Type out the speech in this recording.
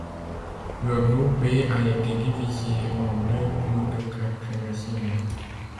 Le groupe B a été divisé en deux poules de quatre nations.